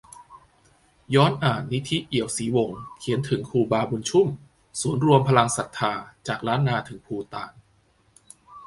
ย้อนอ่าน 'นิธิ เอียวศรีวงศ์' เขียนถึง 'ครูบาบุญชุ่ม' ศูนย์รวมพลังศรัทธาจากล้านนาถึงภูฏาน